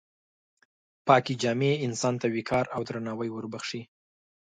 پاکې جامې انسان ته وقار او درناوی وربښي.